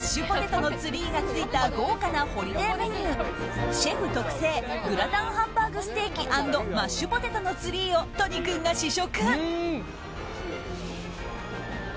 冬らしいグラタンハンバーグにチーズで雪化粧したマッシュポテトのツリーがついた豪華なホリデーメニューシェフ特製グラタン・ハンバーグステーキ＆マッシュポテトのツリーを都仁君が試食。